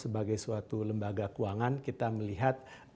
sebagai suatu lembaga keuangan kita melihat